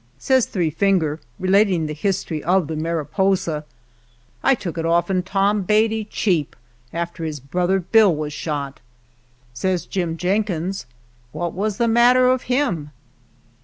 Says Three Finger, relating the history of the Mariposa, " I took it off' n Tom Beatty, cheap, after his brother Bill was shot." ii8 JIMVILLE Says Jim Jenkins, " What was the mat ter of him